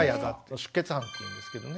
出血斑っていうんですけどね。